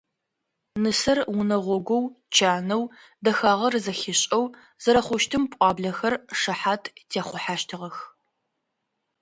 Нысэр унэгъогоу, чанэу, дэхагъэр зэхишӏэу зэрэхъущтым пӏуаблэхэр шыхьат техъухьэщтыгъэх.